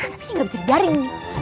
tapi ini gak bisa dibiarin nih